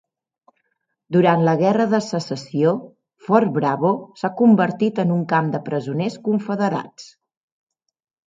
Durant la Guerra de Secessió, Fort Bravo s'ha convertit en un camp de presoners confederats.